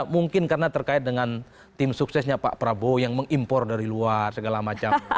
mungkin karena terkait dengan tim suksesnya pak prabowo yang mengimpor dari luar segala macam